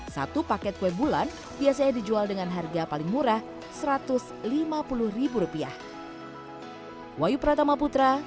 satu paket kue bulan biasanya dijual dengan harga paling murah rp satu ratus lima puluh ribu rupiah